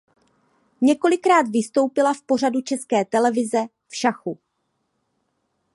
Několikrát vystoupila v pořadu České televize "V šachu".